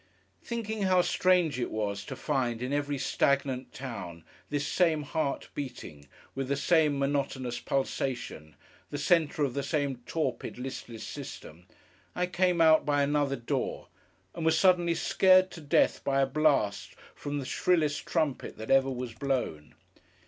Thinking how strange it was, to find, in every stagnant town, this same Heart beating with the same monotonous pulsation, the centre of the same torpid, listless system, I came out by another door, and was suddenly scared to death by a blast from the shrillest trumpet that ever was blown.